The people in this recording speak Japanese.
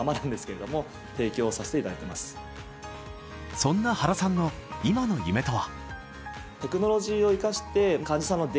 そんな原さんの今の夢とは？